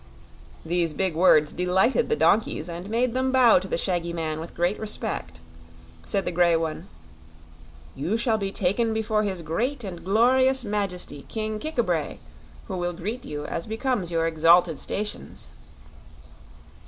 These big words delighted the donkeys, and made them bow to the shaggy man with great respect. Said the grey one: "You shall be taken before his great and glorious Majesty King Kik a bray, who will greet you as becomes your exalted stations."